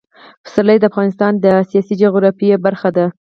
پسرلی د افغانستان د سیاسي جغرافیه برخه ده.